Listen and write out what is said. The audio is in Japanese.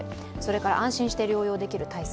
安心して療養できる体制。